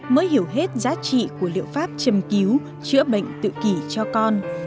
mới hiểu hết giá trị của liệu pháp châm cứu chữa bệnh tự kỷ cho con